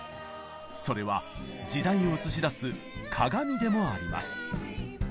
それは時代を映し出す「鏡」でもあります。